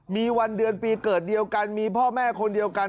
มีวันเดือนปีเกิดเดียวกันมีพ่อแม่คนเดียวกัน